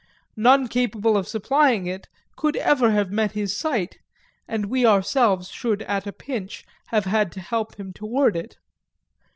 None capable of supplying it could ever have met his sight, and we ourselves should at a pinch have had to help him toward it.